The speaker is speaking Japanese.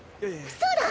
そうだ！